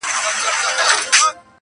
مخ که مي کعبې، که بتخاتې ته اړولی دی،